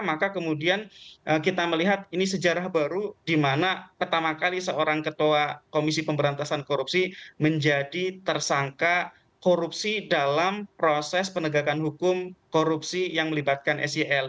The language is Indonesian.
maka kemudian kita melihat ini sejarah baru di mana pertama kali seorang ketua komisi pemberantasan korupsi menjadi tersangka korupsi dalam proses penegakan hukum korupsi yang melibatkan sel